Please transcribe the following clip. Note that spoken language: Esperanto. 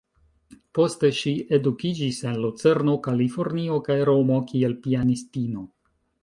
Poste ŝi edukiĝis en Lucerno, Kalifornio kaj Romo kiel pianistino.